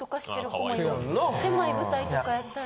狭い舞台とかやったら。